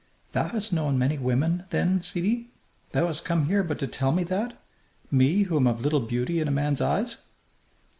"Thou hast known many women, then, sidi! Thou hast come here but to tell me that? Me, who am of little beauty in a man's eyes!"